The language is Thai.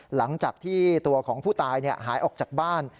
หลังจากที่ตัวของผู้ตายหายออกจากบ้าน